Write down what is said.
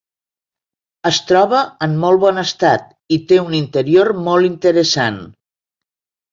Es troba en molt bon estat, i té un interior molt interessant.